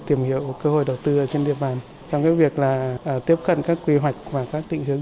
tìm hiểu cơ hội đầu tư trên địa bàn trong cái việc là tiếp cận các quy hoạch và các định hướng